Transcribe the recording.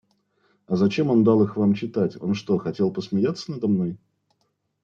А зачем он дал их Вам читать, он что, хотел посмеяться надо мной?